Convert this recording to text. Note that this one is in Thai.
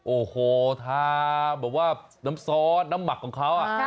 โอ้โหทาแบบว่าน้ำซอสน้ำหมักของเขา